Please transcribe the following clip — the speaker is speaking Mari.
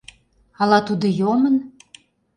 — Ала тудо йомын?